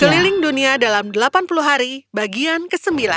keliling dunia dalam delapan puluh hari bagian ke sembilan